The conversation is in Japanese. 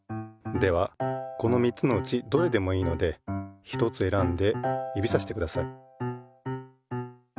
ではこの３つのうちどれでもいいのでひとつ選んで指さしてください。